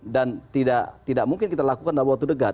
dan tidak mungkin kita lakukan dalam waktu dekat